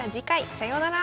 さようなら。